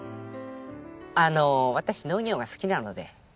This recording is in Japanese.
あの私農業が好きなので。